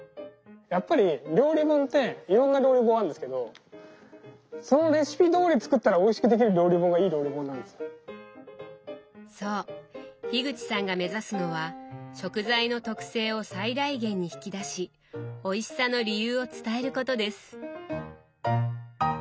やっぱり料理本っていろんな料理本あるんですけどそう口さんが目指すのは食材の特性を最大限に引き出しおいしさの理由を伝えることです。